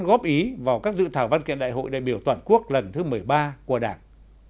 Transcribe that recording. góp ý vào các dự thảo văn kiện đại hội đại biểu toàn quốc lần thứ một mươi ba của đảng